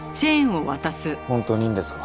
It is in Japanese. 本当にいいんですか？